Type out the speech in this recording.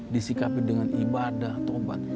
disikapi dengan ibadah tobat